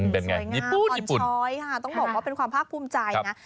เป็นไงสวยงามอ่อนช้อยค่ะต้องบอกว่าเป็นความภาคภูมิใจนะ